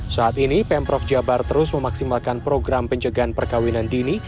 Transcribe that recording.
saat ini pemprov jabar terus memaksimalkan program pencegahan perkawinan dini